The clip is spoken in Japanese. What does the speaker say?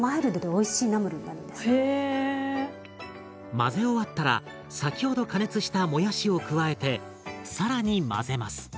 混ぜ終わったら先ほど加熱したもやしを加えて更に混ぜます。